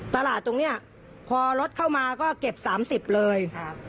ตลาดตรงนี้พอรถเข้ามาก็เก็บ๓๐เลย